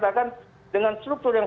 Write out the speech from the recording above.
sepatidumnya ini tidak efektif